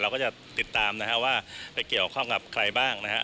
เราก็จะติดตามนะครับว่าไปเกี่ยวข้องกับใครบ้างนะครับ